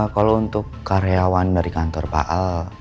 kalau untuk karyawan dari kantor paal